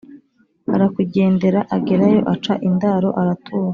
arakugendera agerayo aca indaro aratura.